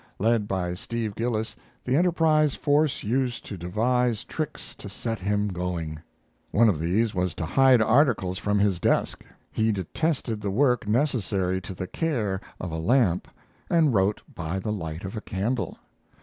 Led by Steve Gillis, the Enterprise force used to devise tricks to set him going. One of these was to hide articles from his desk. He detested the work necessary to the care of a lamp, and wrote by the light of a candle.